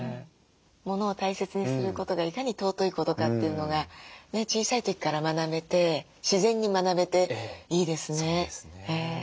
物を大切にすることがいかに尊いことかというのが小さい時から学べて自然に学べていいですね。